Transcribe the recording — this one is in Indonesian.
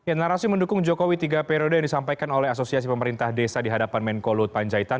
ya narasi mendukung jokowi tiga periode yang disampaikan oleh asosiasi pemerintah desa di hadapan menko luhut panjaitan